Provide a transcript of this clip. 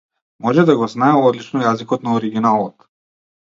Може да го знае одлично јазикот на оригиналот.